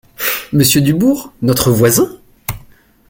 Monsieur Dubourg… notre voisin ?